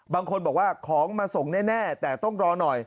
บางคนบอกว่าของมาส่งแน่แต่ต้องรอหน่อย